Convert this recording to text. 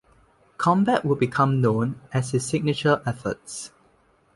Combat would become known as his signature efforts.